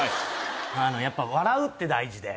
やっぱ笑うって大事で。